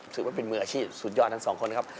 ถือว่าเป็นมืออาชีพสุดยอดทั้งสองคนครับ